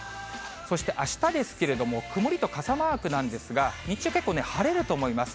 そしてあしたですけれども、曇りと傘マークなんですが、日中、結構、晴れると思います。